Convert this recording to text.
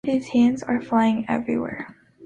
His hands are flying everywhere.